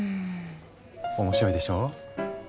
面白いでしょう？